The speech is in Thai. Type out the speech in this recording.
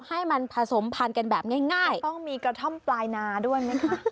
ให้มันผสมพันธุ์กันแบบง่ายต้องมีกระท่อมปลายนาด้วยไหมคะ